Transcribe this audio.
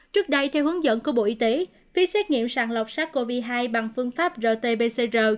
trước đây theo hướng dẫn của bộ y tế phi xét nghiệm sàng lọc sát covid hai bằng phương pháp rt pcr